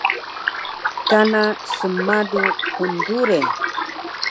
Kana snmalu hndure